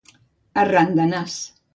Arran de nas.